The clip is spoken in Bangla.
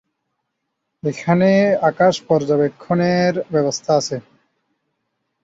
এখানে আকাশ পর্যবেক্ষণের ব্যবস্থা আছে।